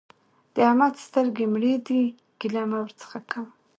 د احمد سترګې مړې دي؛ ګيله مه ورڅخه کوه.